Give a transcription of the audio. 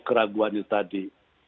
keraguan itu tadi